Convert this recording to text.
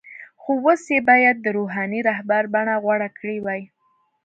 خو اوس یې باید د “روحاني رهبر” بڼه غوره کړې وای.